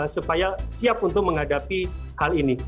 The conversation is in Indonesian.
supaya siap untuk menghadapi hal ini